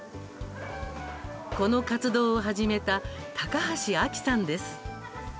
この活動を始めた高橋亜紀さんです。